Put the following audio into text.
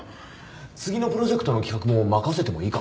次のプロジェクトの企画も任せてもいいか？